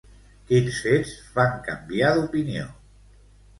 Quins fets fan canviar d'opinió?